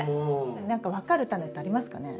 何か分かるタネってありますかね？